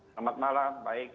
selamat malam baik